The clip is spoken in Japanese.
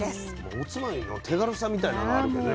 おつまみの手軽さみたいなのあるけどね。